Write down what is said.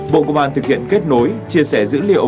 bộ công an thực hiện kết nối chia sẻ dữ liệu